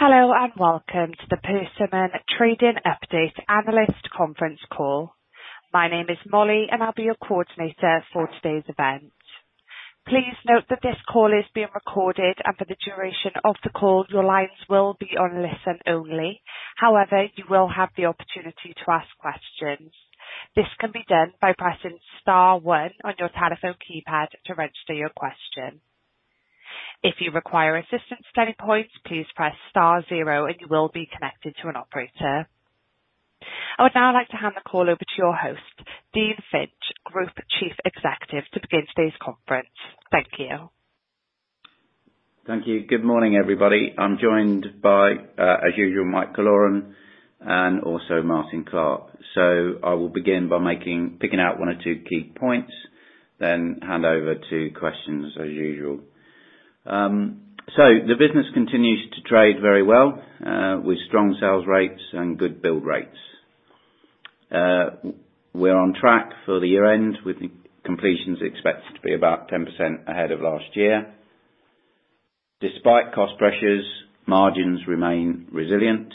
Hello, and welcome to the Persimmon Trading Update Analyst Conference Call. My name is Molly, and I'll be your coordinator for today's event. Please note that this call is being recorded, and for the duration of the call, your lines will be on listen only. However, you will have the opportunity to ask questions. This can be done by pressing star one on your telephone keypad to register your question. If you require assistance at any point, please press star zero, and you will be connected to an operator. I would now like to hand the call over to your host, Dean Finch, Group Chief Executive, to begin today's conference. Thank you. Thank you. Good morning, everybody. I'm joined by, as usual, Mike Killoran and also Martin Clark. I will begin by picking out one or two key points, then hand over to questions as usual. The business continues to trade very well, with strong sales rates and good build rates. We're on track for the year end with the completions expected to be about 10% ahead of last year. Despite cost pressures, margins remain resilient.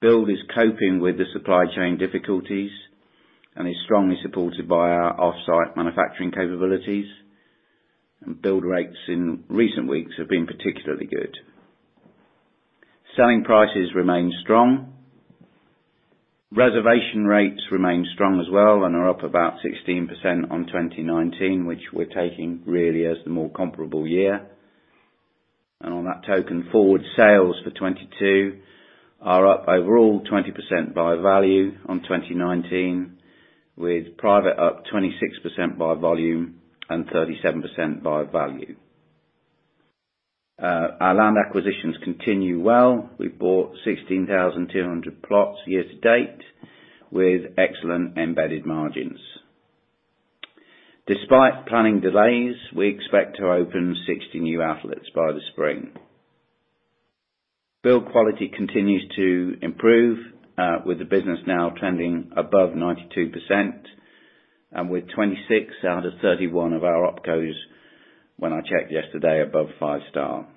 Build is coping with the supply chain difficulties and is strongly supported by our off-site manufacturing capabilities, and build rates in recent weeks have been particularly good. Selling prices remain strong. Reservation rates remain strong as well and are up about 16% on 2019, which we're taking really as the more comparable year. On that token, forward sales for 2022 are up overall 20% by value on 2019, with private up 26% by volume and 37% by value. Our land acquisitions continue well. We bought 16,200 plots year-to-date with excellent embedded margins. Despite planning delays, we expect to open 60 new outlets by the spring. Build quality continues to improve, with the business now trending above 92% and with 26 out of 31 of our opcos, when I checked yesterday, above five-star.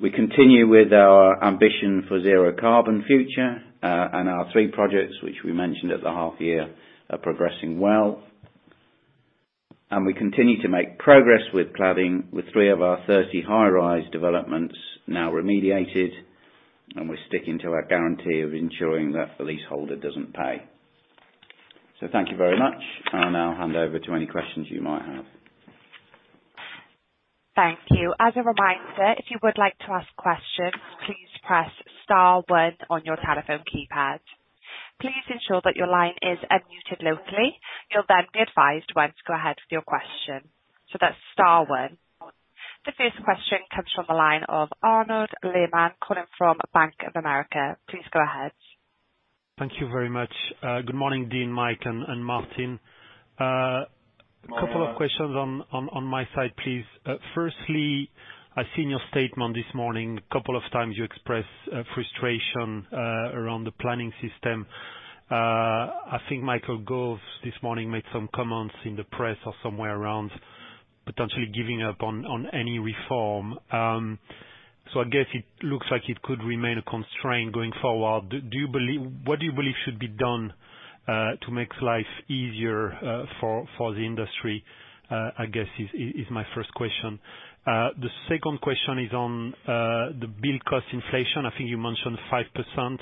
We continue with our ambition for zero carbon future, and our three projects, which we mentioned at the half year, are progressing well. We continue to make progress with cladding with three of our 30 high-rise developments now remediated, and we're sticking to our guarantee of ensuring that the leaseholder doesn't pay. Thank you very much, and I'll hand over to any questions you might have. Thank you. As a reminder, if you would like to ask questions, please press star one on your telephone keypad. Please ensure that your line is unmuted locally. You'll then be advised when to go ahead with your question. That's star one. The first question comes from the line of Arnaud Lehmann calling from Bank of America. Please go ahead. Thank you very much. Good morning, Dean, Mike and Martin. Morning, Arnaud. A couple of questions on my side, please. Firstly, I seen your statement this morning. A couple of times you expressed frustration around the planning system. I think Michael Gove this morning made some comments in the press or somewhere around potentially giving up on any reform. So I guess it looks like it could remain a constraint going forward. What do you believe should be done to make life easier for the industry? I guess is my first question. The second question is on the build cost inflation. I think you mentioned 5%.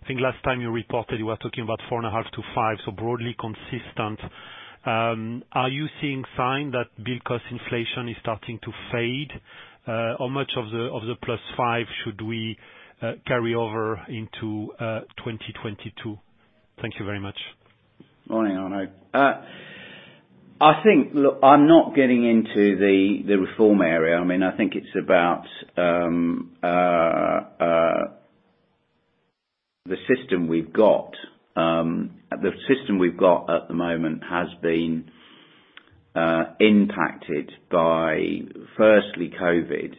I think last time you reported you were talking about 4.5%-5%, so broadly consistent. Are you seeing signs that build cost inflation is starting to fade? How much of the +5 should we carry over into 2022? Thank you very much. Morning, Arnaud. Look, I'm not getting into the reform area. I mean, I think it's about the system we've got. The system we've got at the moment has been impacted by firstly COVID,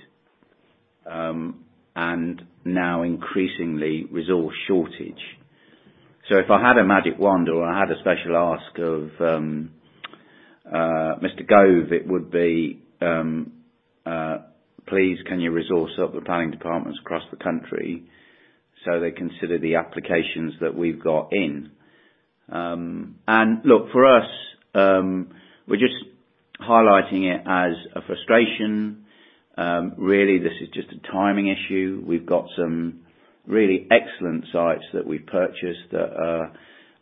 and now increasingly resource shortage. If I had a magic wand or I had a special ask of Mr. Gove, it would be, "Please, can you resource up the planning departments across the country so they consider the applications that we've got in?" Look, for us, we're just highlighting it as a frustration. Really, this is just a timing issue. We've got some really excellent sites that we've purchased that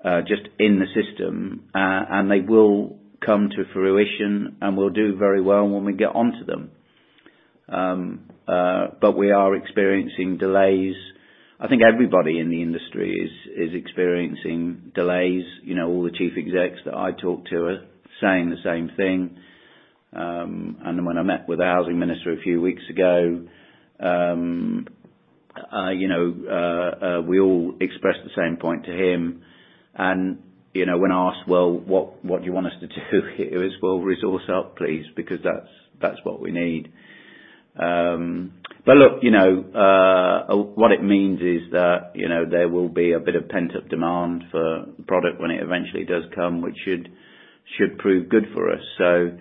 are just in the system. They will come to fruition and will do very well when we get onto them. We are experiencing delays. I think everybody in the industry is experiencing delays. You know, all the chief execs that I talk to are saying the same thing. When I met with the housing minister a few weeks ago, you know, we all expressed the same point to him. You know, when asked, "Well, what do you want us to do here?" It's, "Well, resource up, please," because that's what we need. Look, you know, what it means is that, you know, there will be a bit of pent-up demand for product when it eventually does come, which should prove good for us.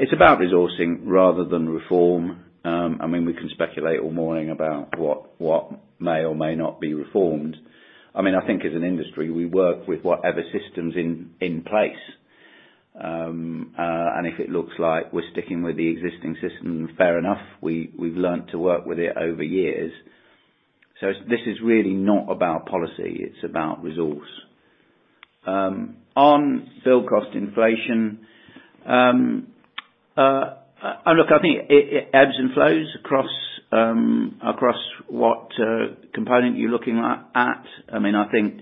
It's about resourcing rather than reform. I mean, we can speculate all morning about what may or may not be reformed. I mean, I think as an industry, we work with whatever system's in place. If it looks like we're sticking with the existing system, fair enough. We've learned to work with it over years. This is really not about policy, it's about resource. On build cost inflation, look, I think it ebbs and flows across what component you're looking at. I mean, I think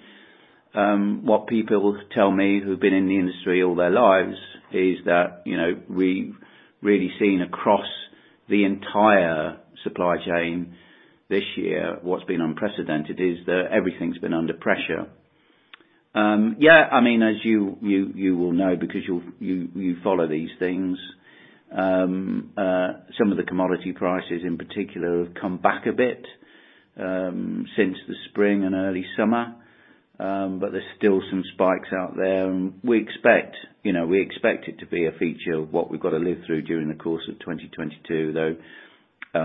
what people tell me who've been in the industry all their lives is that, you know, we've really seen across the entire supply chain this year, what's been unprecedented is that everything's been under pressure. Yeah, I mean, as you will know because you follow these things, some of the commodity prices in particular have come back a bit since the spring and early summer. There's still some spikes out there, and we expect, you know, we expect it to be a feature of what we've gotta live through during the course of 2022, though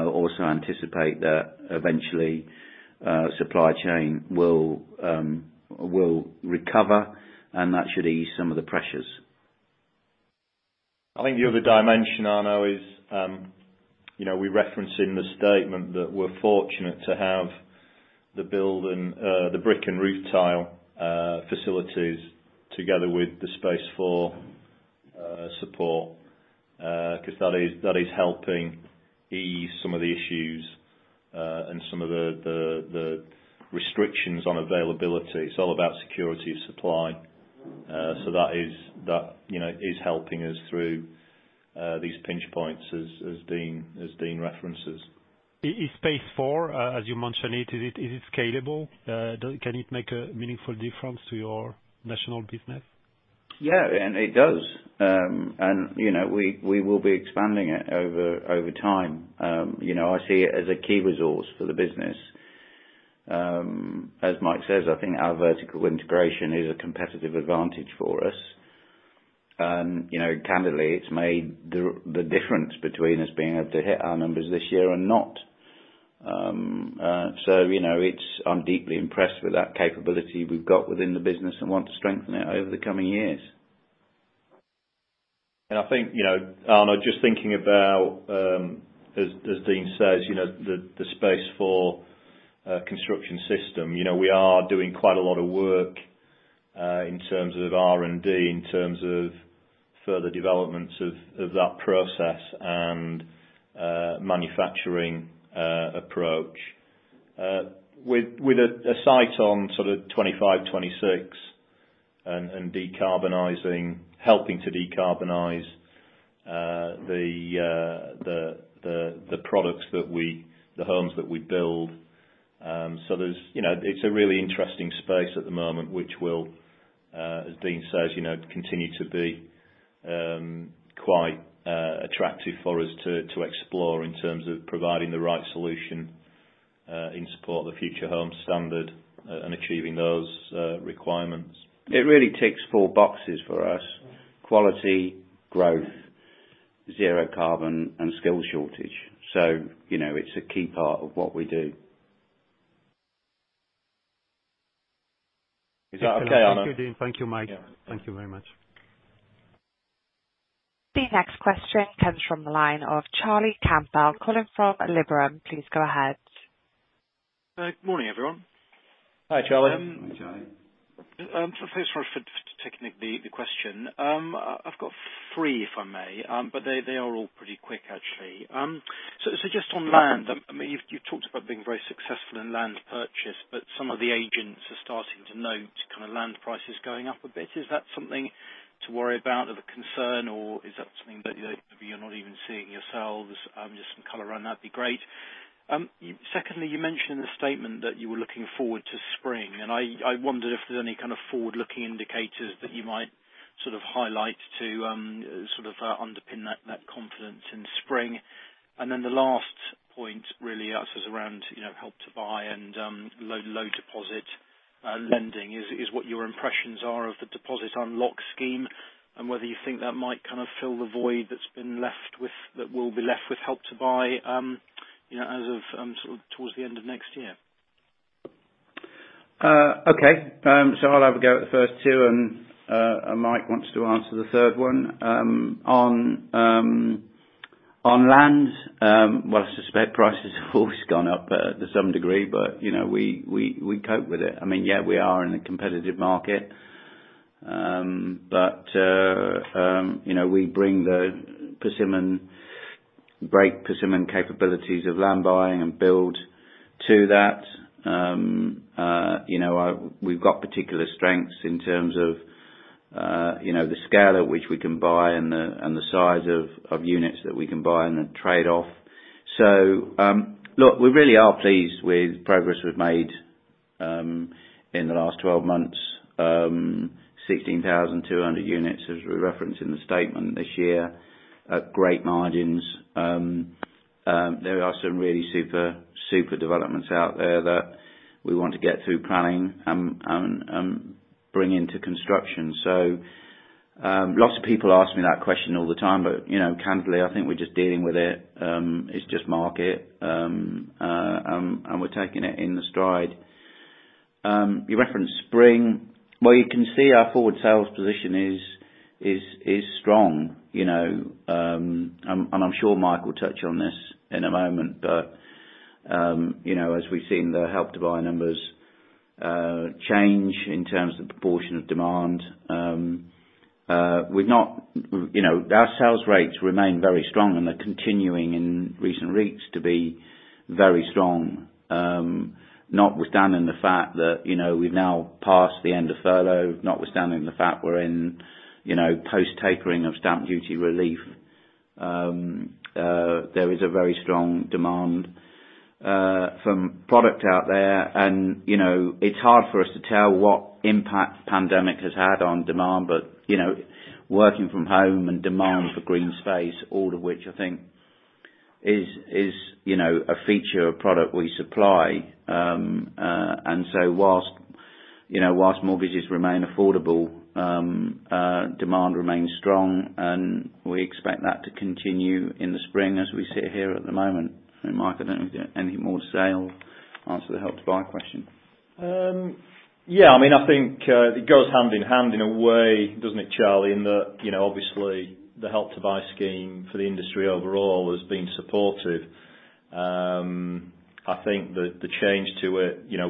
also anticipate that eventually supply chain will recover, and that should ease some of the pressures. I think the other dimension, Arno, is, you know, we reference in the statement that we're fortunate to have the brick and roof tile facilities together with the Space4 support, 'cause that is helping ease some of the issues and some of the restrictions on availability. It's all about security of supply. That is helping us through these pinch points as Dean references. Is Space4, as you mentioned it, is it scalable? Can it make a meaningful difference to your national business? It does. You know, we will be expanding it over time. You know, I see it as a key resource for the business. As Mike says, I think our vertical integration is a competitive advantage for us. You know, candidly, it's made the difference between us being able to hit our numbers this year and not. You know, it's. I'm deeply impressed with that capability we've got within the business and want to strengthen it over the coming years. I think, you know, Arno, just thinking about, as Dean says, you know, the Space4 construction system, you know, we are doing quite a lot of work in terms of R&D, in terms of further developments of that process and manufacturing approach. With a sight on sort of 2025, 2026 and decarbonizing, helping to decarbonize the homes that we build. There's, you know, it's a really interesting space at the moment, which will, as Dean says, you know, continue to be quite attractive for us to explore in terms of providing the right solution in support of the Future Homes Standard and achieving those requirements. It really ticks four boxes for us, quality, growth, zero carbon, and skills shortage. You know, it's a key part of what we do. Is that okay, Arno? Thank you, Dean. Thank you, Mike. Yeah. Thank you very much. The next question comes from the line of Charlie Campbell calling from Liberum. Please go ahead. Good morning, everyone. Hi, Charlie. Hi, Charlie. First of all, thank you for taking the question. I've got three, if I may, but they are all pretty quick actually. Just on land, I mean, you've talked about being very successful in land purchase, but some of the agents are starting to note kind of land prices going up a bit. Is that something to worry about or the concern or is that something that maybe you're not even seeing yourselves? Just some color on that'd be great. Secondly, you mentioned in the statement that you were looking forward to spring, and I wondered if there's any kind of forward-looking indicators that you might sort of highlight to, sort of, underpin that confidence in spring. The last point really asks about, you know, Help to Buy and low deposit lending. What are your impressions of the Deposit Unlock scheme and whether you think that might kind of fill the void that will be left with Help to Buy, you know, as of sort of towards the end of next year. Okay. I'll have a go at the first two, and Mike wants to answer the third one. On land, well, I suspect prices have always gone up to some degree, but you know, we cope with it. I mean, yeah, we are in a competitive market, but you know, we bring the Persimmon great Persimmon capabilities of land buying and build to that. You know, we've got particular strengths in terms of you know, the scale at which we can buy and the size of units that we can buy and then trade off. Look, we really are pleased with progress we've made in the last 12 months, 16,200 units as we referenced in the statement this year at great margins. There are some really super developments out there that we want to get through planning and bring into construction. Lots of people ask me that question all the time, but you know, candidly, I think we're just dealing with it. It's just market. We're taking it in stride. You referenced spring, where you can see our forward sales position is strong, you know. I'm sure Mike will touch on this in a moment. You know, as we've seen the Help to Buy numbers change in terms of the proportion of demand, you know, our sales rates remain very strong, and they're continuing in recent rates to be very strong. Notwithstanding the fact that, you know, we've now passed the end of furlough, notwithstanding the fact we're in, you know, post-tapering of stamp duty relief. There is a very strong demand for product out there and, you know, it's hard for us to tell what impact pandemic has had on demand. Working from home and demand for green space, all of which I think is, you know, a feature of product we supply. Whilst, you know, mortgages remain affordable, demand remains strong. We expect that to continue in the spring as we sit here at the moment. Mike, I don't know if you have anything more to say or answer the Help to Buy question. Yeah. I mean, I think it goes hand in hand in a way, doesn't it, Charlie? In that, you know, obviously the Help to Buy scheme for the industry overall has been supportive. I think the change to it, you know,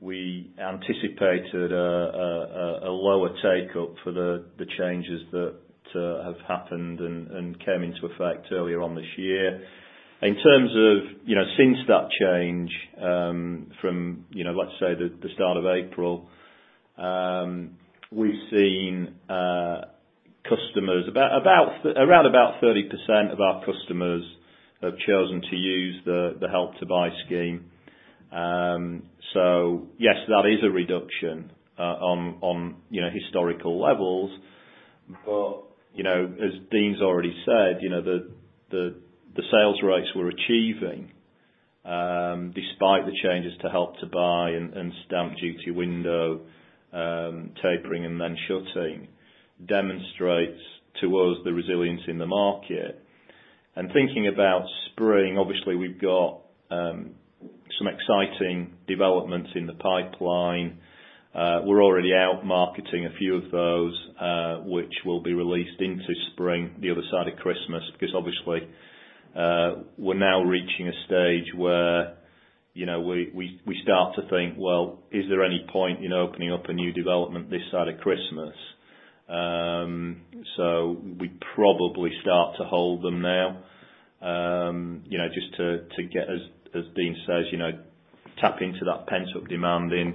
we anticipated a lower take-up for the changes that have happened and came into effect earlier on this year. In terms of, you know, since that change, from, you know, let's say the start of April, we've seen around about 30% of our customers have chosen to use the Help to Buy scheme. Yes, that is a reduction on historical levels. You know, as Dean's already said, you know, the sales rates we're achieving, despite the changes to Help to Buy and stamp duty window, tapering and then shutting, demonstrates to us the resilience in the market. Thinking about spring, obviously we've got some exciting developments in the pipeline. We're already out marketing a few of those, which will be released into spring, the other side of Christmas, because obviously, we're now reaching a stage where, you know, we start to think, well, is there any point in opening up a new development this side of Christmas? We probably start to hold them now. You know, just to get, as Dean says, you know, tap into that pent-up demand in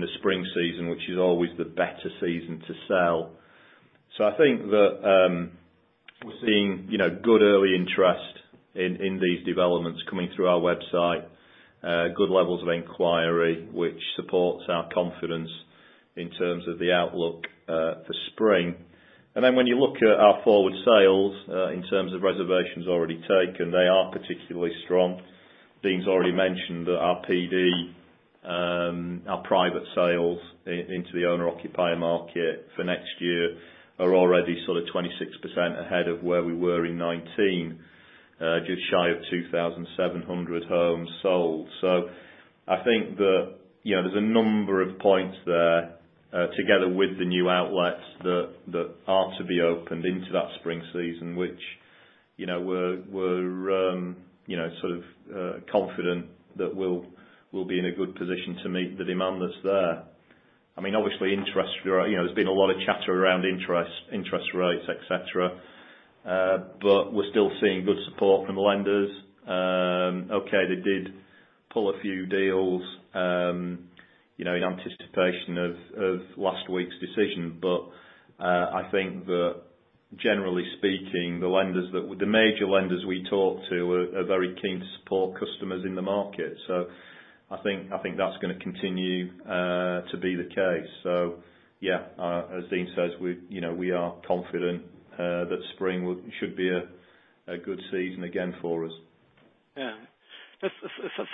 the spring season, which is always the better season to sell. I think that, we're seeing, you know, good early interest in these developments coming through our website. Good levels of inquiry, which supports our confidence in terms of the outlook for spring. When you look at our forward sales, in terms of reservations already taken, they are particularly strong. Dean's already mentioned that our PD, our private sales into the owner occupier market for next year are already sort of 26% ahead of where we were in 2019. Just shy of 2,700 homes sold. I think that, you know, there's a number of points there, together with the new outlets that are to be opened into that spring season, which, you know, we're confident that we'll be in a good position to meet the demand that's there. I mean, obviously interest rates. You know, there's been a lot of chatter around interest rates, et cetera. We're still seeing good support from lenders. They did pull a few deals, you know, in anticipation of last week's decision. I think that generally speaking, the major lenders we talk to are very keen to support customers in the market. I think that's gonna continue to be the case. Yeah, as Dean says, you know, we are confident that spring should be a good season again for us. Yeah.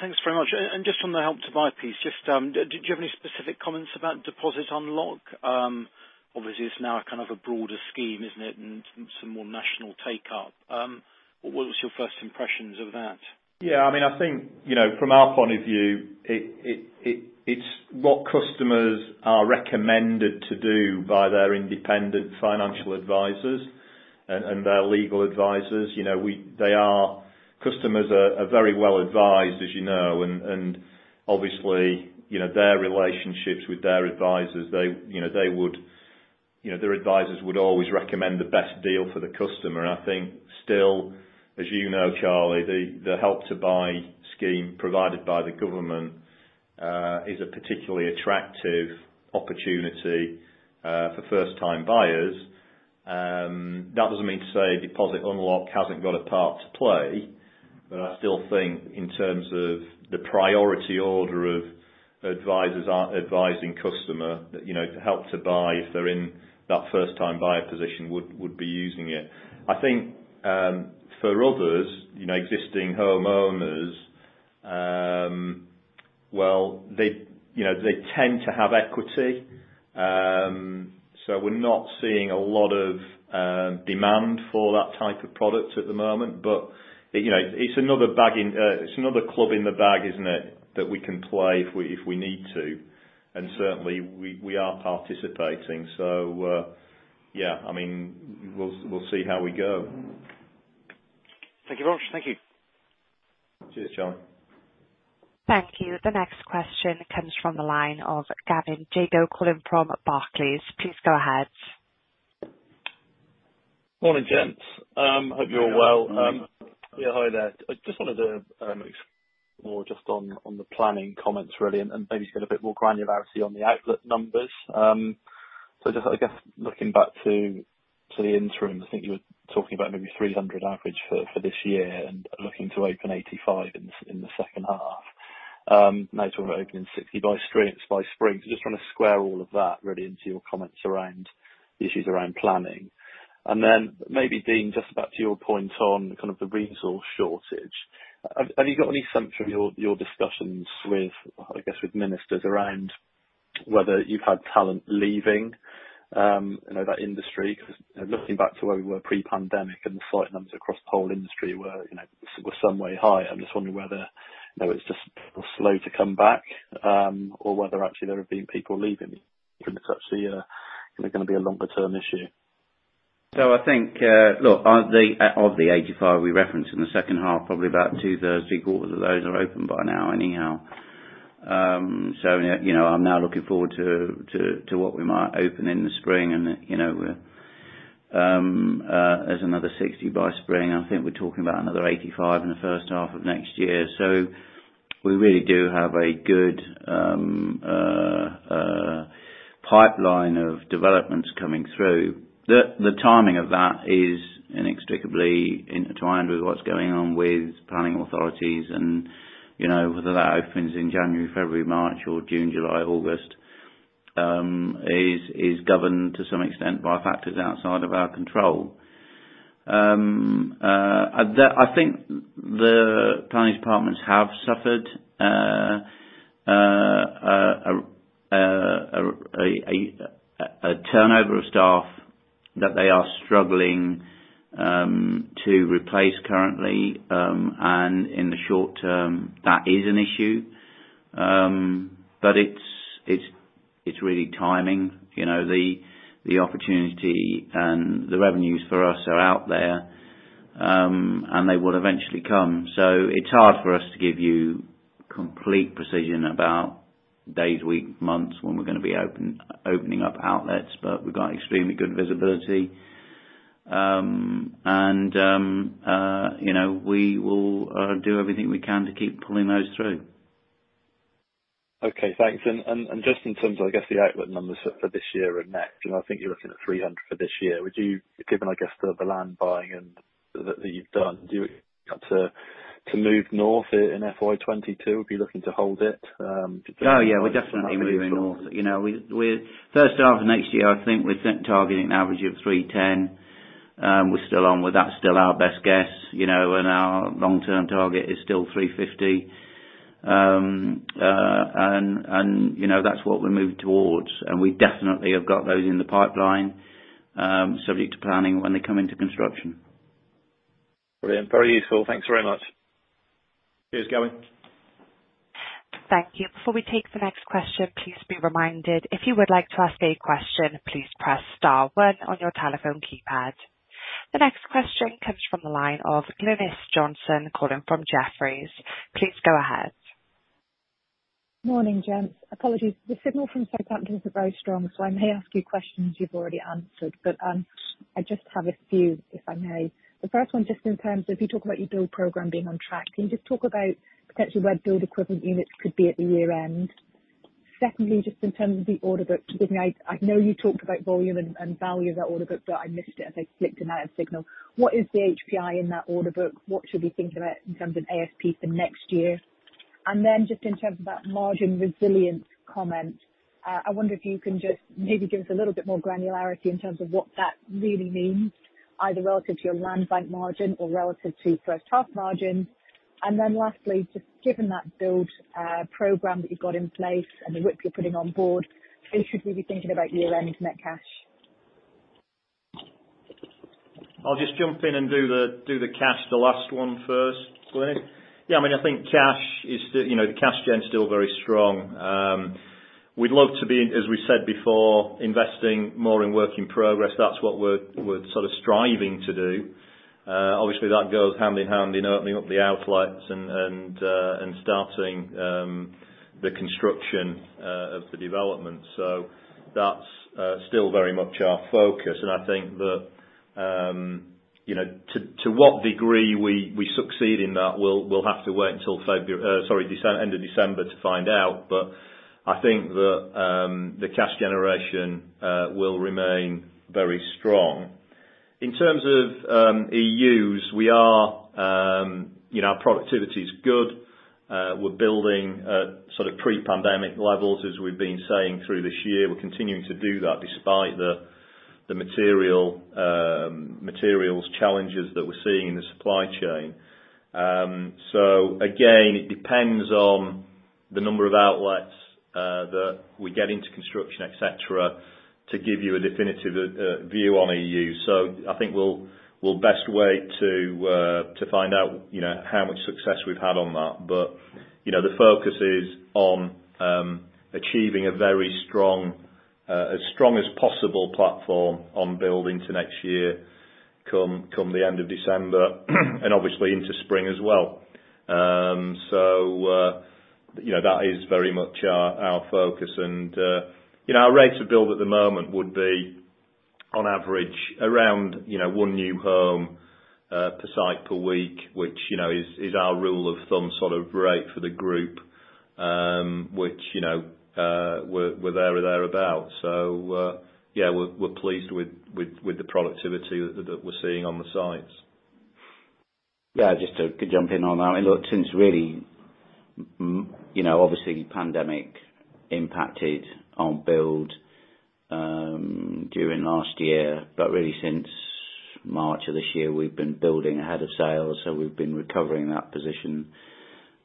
Thanks very much. Just from the Help to Buy piece, just, do you have any specific comments about Deposit Unlock? Obviously it's now kind of a broader scheme, isn't it? Some more national take-up. What was your first impressions of that? Yeah, I mean, I think, you know, from our point of view, it's what customers are recommended to do by their independent financial advisors and their legal advisors. You know, customers are very well advised, as you know, and obviously, you know, their relationships with their advisors, they, you know, they would. You know, their advisors would always recommend the best deal for the customer. I think still, as you know, Charlie, the Help to Buy scheme provided by the government is a particularly attractive opportunity for first time buyers. That doesn't mean to say Deposit Unlock hasn't got a part to play, but I still think in terms of the priority order of advisors are advising customer that, you know, to Help to Buy if they're in that first time buyer position would be using it. I think, for others, you know, existing homeowners, well, they, you know, they tend to have equity. We're not seeing a lot of demand for that type of product at the moment. But, you know, it's another club in the bag, isn't it, that we can play if we need to, and certainly we are participating. Yeah, I mean, we'll see how we go. Thank you very much. Thank you. Cheers, John. Thank you. The next question comes from the line of Gavin Jago calling from Barclays. Please go ahead. Morning, gents. Hope you're well. Good morning. Yeah, hi there. I just wanted to explore just on the planning comments really, and maybe get a bit more granularity on the outlet numbers. Just I guess looking back to the interim, I think you were talking about maybe 300 average for this year and looking to open 85 in the second half. Now you're talking about opening 60 by spring. Just trying to square all of that really into your comments around the issues around planning. Maybe, Dean, just back to your point on kind of the resource shortage. Have you got any sense from your discussions with, I guess, ministers around whether you've had talent leaving that industry? 'Cause looking back to where we were pre-pandemic and the site numbers across the whole industry were, you know, were some way high. I'm just wondering whether, you know, it's just slow to come back, or whether actually there have been people leaving. It's actually gonna be a longer term issue. I think, look, of the 85 we referenced in the second half, probably about 2/3 to three quarters of those are open by now anyhow. You know, I'm now looking forward to what we might open in the spring and, you know, there's another 60 by spring. I think we're talking about another 85 in the first half of next year. We really do have a good pipeline of developments coming through. The timing of that is inextricably intertwined with what's going on with planning authorities and, you know, whether that opens in January, February, March or June, July, August, is governed to some extent by factors outside of our control. I think the planning departments have suffered a turnover of staff that they are struggling to replace currently, and in the short term, that is an issue. It's really timing. You know, the opportunity and the revenues for us are out there, and they will eventually come. It's hard for us to give you complete precision about days, weeks, months when we're gonna be opening up outlets, but we've got extremely good visibility. You know, we will do everything we can to keep pulling those through. Okay. Thanks. Just in terms of, I guess, the outlet numbers for this year and next, you know, I think you're looking at 300 for this year. Would you, given, I guess, the land buying and that you've done, do you got to move north in FY 2022? Would you be looking to hold it? Oh, yeah, we're definitely moving north. You know, first half of next year, I think we're targeting an average of 310. We're still on with that, still our best guess, you know, and our long-term target is still 350. You know, that's what we're moving towards. We definitely have got those in the pipeline, subject to planning when they come into construction. Brilliant. Very useful. Thanks very much. Cheers, Gavin. Thank you. Before we take the next question, please be reminded, if you would like to ask a question, please press star one on your telephone keypad. The next question comes from the line of Glynis Johnson, calling from Jefferies. Please go ahead. Morning, gents. Apologies. The signal from Southampton isn't very strong, so I may ask you questions you've already answered, but I just have a few, if I may. The first one, just in terms of you talk about your build program being on track. Can you just talk about potentially where build equivalent units could be at the year-end? Secondly, just in terms of the order book, forgive me, I know you talked about volume and value of that order book, but I missed it as I flicked in and out of signal. What is the HPI in that order book? What should we think about in terms of ASP for next year? Just in terms of that margin resilience comment, I wonder if you can just maybe give us a little bit more granularity in terms of what that really means, either relative to your land bank margin or relative to first half margin. Lastly, just given that build program that you've got in place and the WIP you're putting on board, sort of should we be thinking about year-end net cash? I'll just jump in and do the cash, the last one first, Glynis. Yeah, I mean, I think cash is still, you know, the cash gen's still very strong. We'd love to be, as we said before, investing more in work in progress. That's what we're sort of striving to do. Obviously that goes hand in hand with opening up the outlets and starting the construction of the development. So that's still very much our focus, and I think that You know, to what degree we succeed in that, we'll have to wait until end of December to find out. I think that the cash generation will remain very strong. In terms of EUs, we are, you know, our productivity's good. We're building at sort of pre-pandemic levels, as we've been saying through this year. We're continuing to do that despite the materials challenges that we're seeing in the supply chain. Again, it depends on the number of outlets that we get into construction, et cetera, to give you a definitive view on EU. I think we'll best wait to find out, you know, how much success we've had on that. You know, the focus is on achieving a very strong, as strong as possible platform on building to next year, come the end of December and obviously into spring as well. You know, that is very much our focus. You know, our rate of build at the moment would be on average around, you know, one new home per site per week, which, you know, is our rule of thumb sort of rate for the group, which, you know, we're there or thereabouts. Yeah, we're pleased with the productivity that we're seeing on the sites. Yeah. Just to jump in on that. I mean, look, since really, you know, obviously pandemic impacted on build during last year, but really since March of this year we've been building ahead of sales, so we've been recovering that position,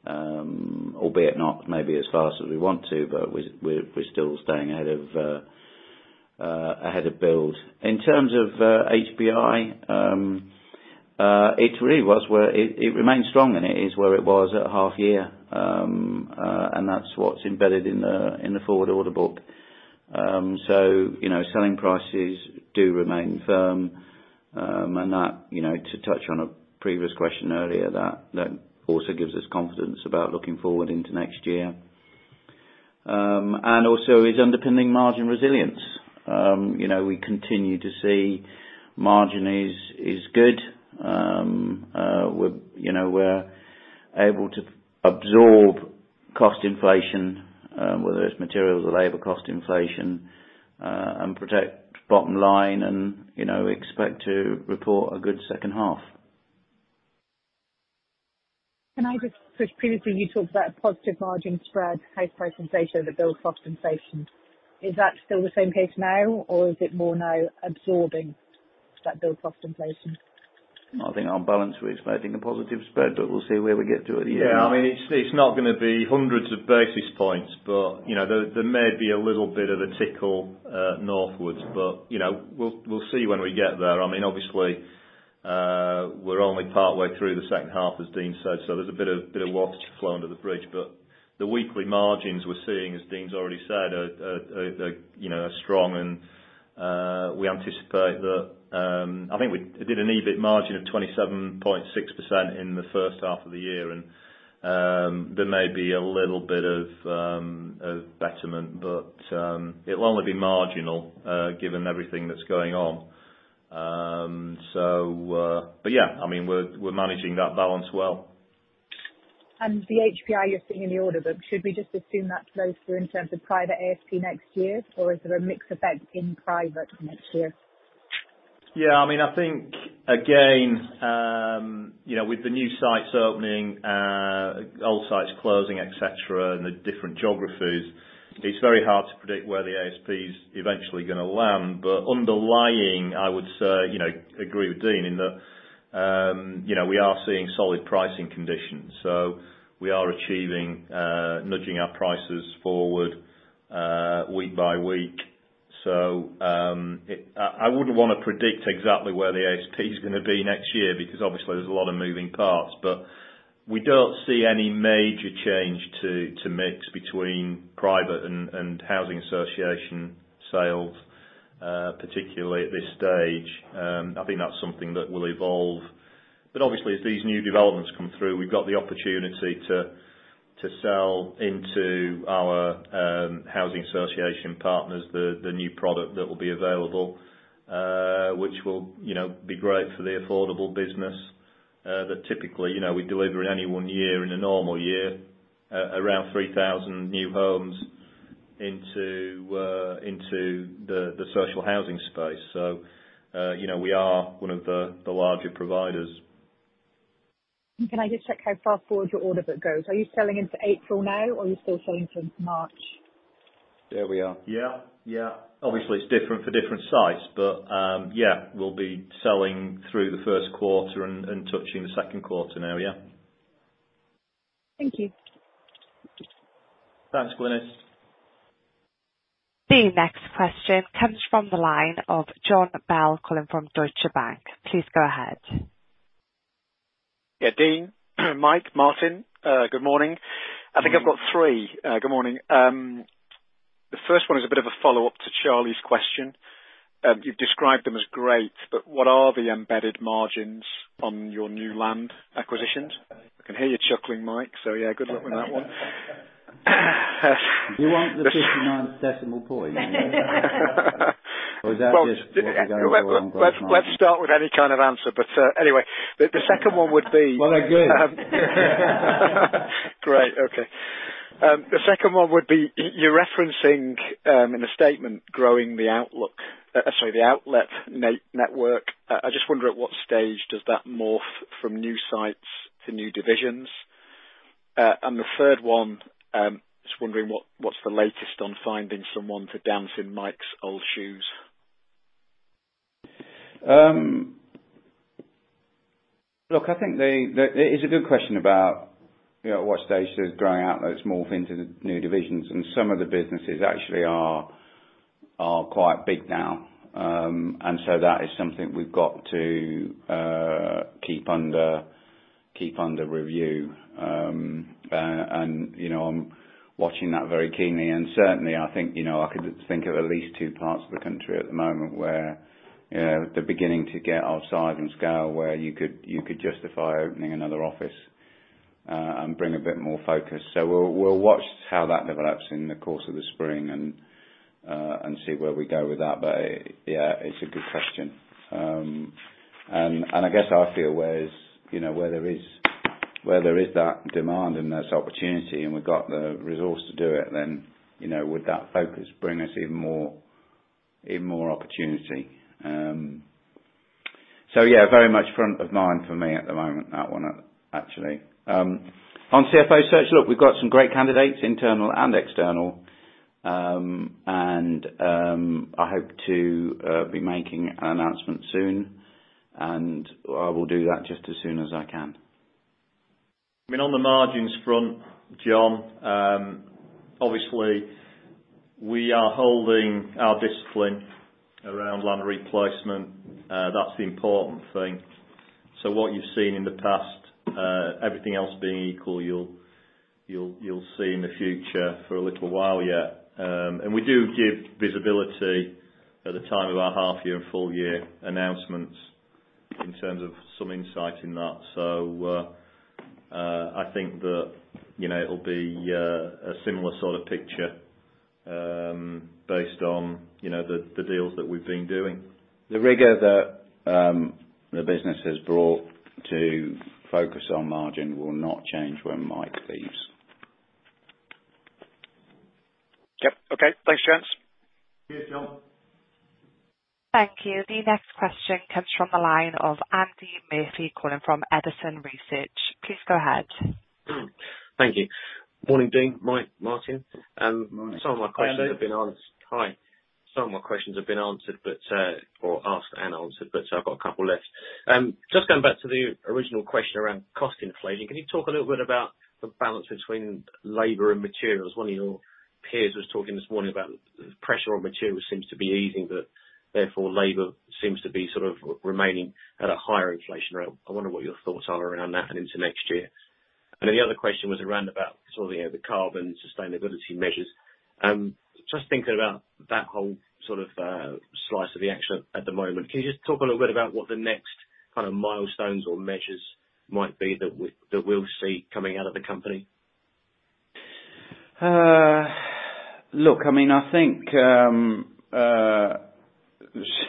albeit not maybe as fast as we want to, but we're still staying ahead of build. In terms of HPI, it remains strong and it is where it was at half year. And that's what's embedded in the forward order book. So, you know, selling prices do remain firm, and that, you know, to touch on a previous question earlier, that also gives us confidence about looking forward into next year. And also is underpinning margin resilience. You know, we continue to see margin is good. You know, we're able to absorb cost inflation, whether it's materials or labor cost inflation, and protect bottom line and, you know, expect to report a good second half. Previously you talked about a positive margin spread, high percentage of the build cost inflation. Is that still the same case now or is it more now absorbing that build cost inflation? I think on balance we're expecting a positive spread, but we'll see where we get to at the end of the year. Yeah. I mean, it's not gonna be hundreds of basis points, but, you know, there may be a little bit of a tickle northwards, but, you know, we'll see when we get there. I mean, obviously, we're only partway through the second half, as Dean said, so there's a bit of water to flow under the bridge. The weekly margins we're seeing, as Dean's already said, are strong and we anticipate that. I think we did an EBIT margin of 27.6% in the first half of the year and there may be a little bit of betterment, but it'll only be marginal given everything that's going on. Yeah, I mean, we're managing that balance well. The HPI you're seeing in the order book, should we just assume that flows through in terms of private ASP next year or is there a mix effect in private next year? Yeah, I mean, I think again, you know, with the new sites opening, old sites closing, et cetera, and the different geographies, it's very hard to predict where the ASP's eventually gonna land. Underlying, I would say, you know, agree with Dean in that, you know, we are seeing solid pricing conditions. We are achieving, nudging our prices forward, week by week. I wouldn't wanna predict exactly where the ASP is gonna be next year because obviously there's a lot of moving parts. We don't see any major change to mix between private and housing association sales, particularly at this stage. I think that's something that will evolve. Obviously as these new developments come through, we've got the opportunity to sell into our housing association partners the new product that will be available, which will, you know, be great for the affordable business. That typically, you know, we deliver in any one year, in a normal year, around 3,000 new homes into the social housing space. You know, we are one of the larger providers. Can I just check how far forward your order book goes? Are you selling into April now or are you still selling into March? Yeah, we are. Yeah. Yeah. Obviously it's different for different sites, but, yeah, we'll be selling through the first quarter and touching the second quarter now, yeah. Thank you. Thanks, Glynis. The next question comes from the line of Jonny Coubrough calling from Deutsche Bank. Please go ahead. Yeah. Dean, Mike, Martin, good morning. I think I've got three. Good morning. The first one is a bit of a follow-up to Charlie's question. You've described them as great, but what are the embedded margins on your new land acquisitions? I can hear you chuckling, Mike, so yeah, good luck on that one. Do you want the 59th decimal point? Or is that just what we're going for on both lines? Well, let's start with any kind of answer. Anyway, the second one would be- Well, good. Great. Okay. The second one would be, you're referencing in the statement the outlet network. I just wonder at what stage does that morph from new sites to new divisions? The third one, just wondering what's the latest on finding someone to dance in Mike's old shoes? Look, I think it is a good question about, you know, at what stage does growing outlets morph into new divisions, and some of the businesses actually are quite big now. That is something we've got to keep under review. You know, I'm watching that very keenly, and certainly I think, you know, I could think of at least two parts of the country at the moment where they're beginning to get our size and scale, where you could justify opening another office and bring a bit more focus. We'll watch how that develops in the course of the spring and see where we go with that. Yeah, it's a good question. I guess our feel where is, you know, where there is that demand and there's opportunity and we've got the resource to do it, then, you know, would that focus bring us even more opportunity? Yeah, very much front of mind for me at the moment, that one, actually. On CFO search, look, we've got some great candidates, internal and external. I hope to be making an announcement soon, and I will do that just as soon as I can. I mean, on the margins front, John, obviously we are holding our discipline around land replacement. That's the important thing. What you've seen in the past, everything else being equal, you'll see in the future for a little while yet. And we do give visibility at the time of our half year and full-year announcements in terms of some insight in that. I think that, you know, it'll be a similar sort of picture, based on, you know, the deals that we've been doing. The rigor that the business has brought to focus on margin will not change when Mike leaves. Yep. Okay. Thanks, gents. Cheers, John. Thank you. The next question comes from the line of Andy Murphy calling from Edison Research. Please go ahead. Thank you. Morning, Dean, Mike, Martin. Morning. Hi, Andy. Some of my questions have been answered. Hi. Some of my questions have been answered, but, or asked and answered, but, I've got a couple left. Just going back to the original question around cost inflation, can you talk a little bit about the balance between labor and materials? One of your peers was talking this morning about pressure on materials seems to be easing, but therefore labor seems to be sort of remaining at a higher inflation rate. I wonder what your thoughts are around that and into next year. Then the other question was around about sort of, you know, the carbon sustainability measures. Just thinking about that whole sort of slice of the action at the moment, can you just talk a little bit about what the next kind of milestones or measures might be that we'll see coming out of the company? Look, I mean, I think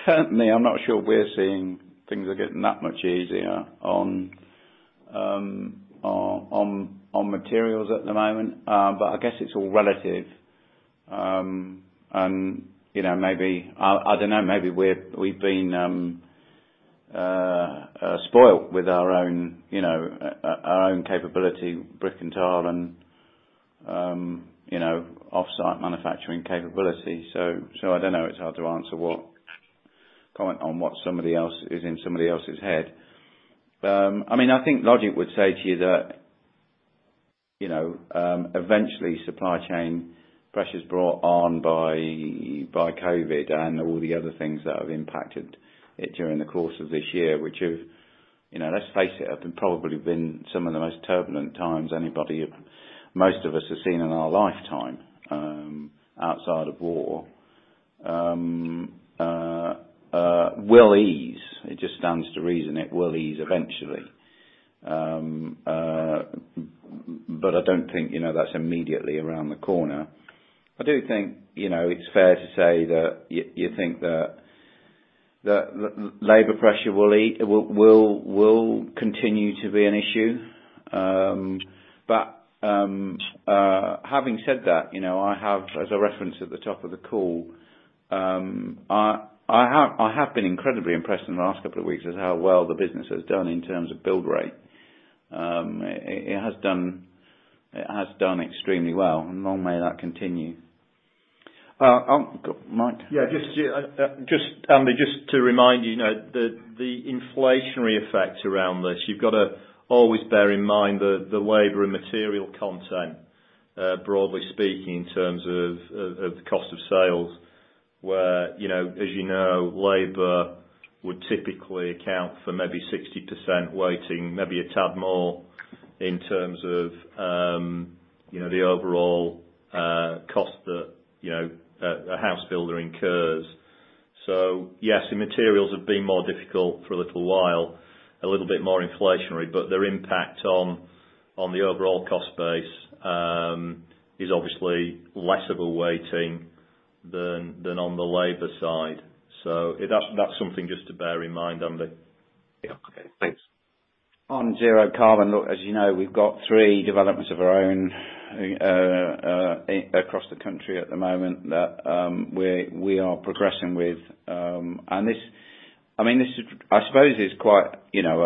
certainly I'm not sure we're seeing things are getting that much easier on materials at the moment. I guess it's all relative. You know, maybe I don't know, maybe we've been spoiled with our own, you know, our own capability, brick and tile and, you know, offsite manufacturing capability. I don't know. It's hard to comment on what's in somebody else's head. I mean, I think logic would say to you that, you know, eventually supply chain pressures brought on by COVID and all the other things that have impacted it during the course of this year, which have, you know, let's face it, have probably been some of the most turbulent times anybody, most of us have seen in our lifetime, outside of war, will ease. It just stands to reason it will ease eventually. I don't think, you know, that's immediately around the corner. I do think, you know, it's fair to say that you think that labor pressure will continue to be an issue. Having said that, you know, as I referenced at the top of the call, I have been incredibly impressed in the last couple of weeks with how well the business has done in terms of build rate. It has done extremely well, and long may that continue. Mike? Yeah, just Andy, just to remind you know, the inflationary effects around this, you've gotta always bear in mind the labor and material content, broadly speaking, in terms of the cost of sales, where, you know, as you know, labor would typically account for maybe 60% weighting, maybe a tad more in terms of, you know, the overall cost that, you know, a house builder incurs. Yes, the materials have been more difficult for a little while, a little bit more inflationary, but their impact on the overall cost base is obviously less of a weighting than on the labor side. That's something just to bear in mind, Andy. Yeah. Okay, thanks. On zero carbon, look, as you know, we've got three developments of our own across the country at the moment that we are progressing with. I suppose it's quite, you know,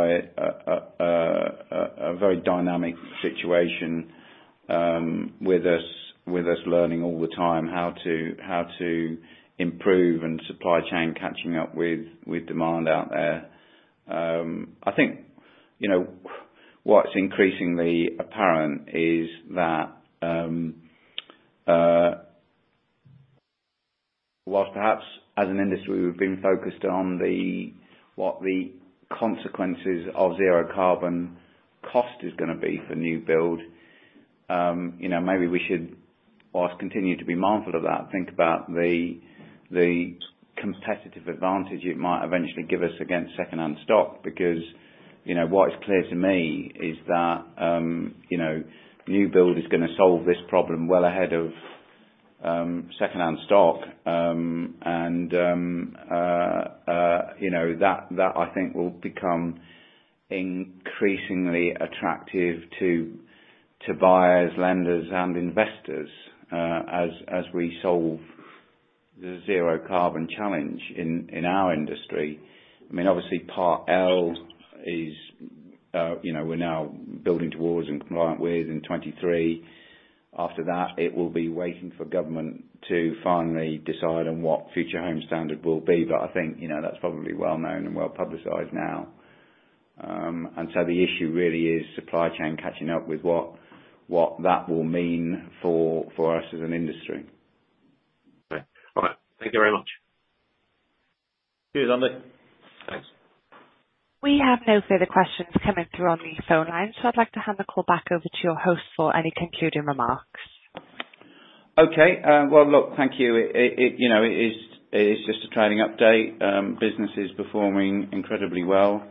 a very dynamic situation with us learning all the time how to improve and supply chain catching up with demand out there. I think, you know, what's increasingly apparent is that whilst perhaps as an industry we've been focused on what the consequences of zero carbon cost is gonna be for new build, you know, maybe we should, whilst continuing to be mindful of that, think about the competitive advantage it might eventually give us against second-hand stock. You know, what is clear to me is that you know, new build is gonna solve this problem well ahead of second-hand stock. You know, that I think will become increasingly attractive to buyers, lenders and investors, as we solve the zero-carbon challenge in our industry. I mean, obviously Part L is you know, we're now building towards and compliant with in 2023. After that, it will be waiting for government to finally decide on what Future Homes Standard will be. I think you know, that's probably well-known and well-publicized now. The issue really is supply chain catching up with what that will mean for us as an industry. Okay. All right. Thank you very much. Cheers, Andy. Thanks. We have no further questions coming through on the phone lines, so I'd like to hand the call back over to your host for any concluding remarks. Okay. Well, look, thank you. It, you know, it's just a trading update. Business is performing incredibly well,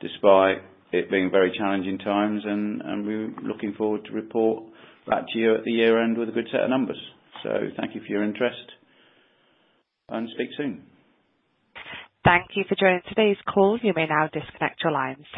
despite it being very challenging times, and we're looking forward to report back to you at the year end with a good set of numbers. Thank you for your interest, and speak soon. Thank you for joining today's call. You may now disconnect your lines.